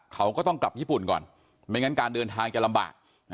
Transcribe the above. เขาก็ต้องกลับญี่ปุ่นก่อนไม่งั้นการเดินทางจะลำบาก